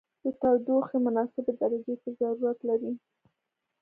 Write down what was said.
د تودوخې مناسبې درجې ته ضرورت لري.